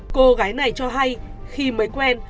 cô gái này cho hay khi mới quen